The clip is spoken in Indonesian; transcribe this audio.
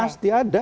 oh pasti ada